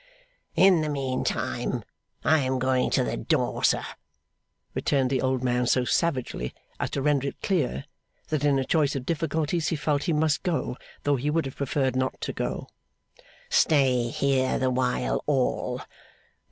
'In the meantime, I am going to the door, sir,' returned the old man so savagely, as to render it clear that in a choice of difficulties he felt he must go, though he would have preferred not to go. 'Stay here the while, all!